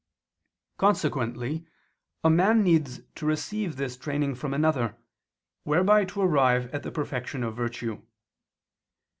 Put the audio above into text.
Consequently a man needs to receive this training from another, whereby to arrive at the perfection of virtue.